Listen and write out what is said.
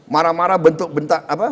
marah marah bentuk bentuk apa